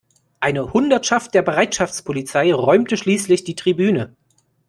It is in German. Eine Hundertschaft der Bereitschaftspolizei räumte schließlich die Tribüne.